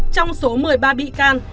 trong số một mươi ba bị can